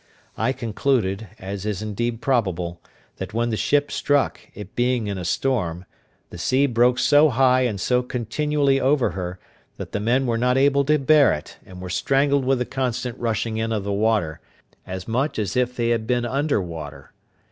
I concluded, as is indeed probable, that when the ship struck, it being in a storm, the sea broke so high and so continually over her, that the men were not able to bear it, and were strangled with the constant rushing in of the water, as much as if they had been under water.